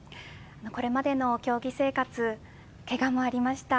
これまでの競技生活けがもありました。